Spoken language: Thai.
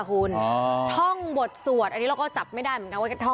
พ่อปู่ฤาษีเทพนรสิงค่ะมีเฮ็ดโฟนเหมือนเฮ็ดโฟนเหมือนเฮ็ดโฟน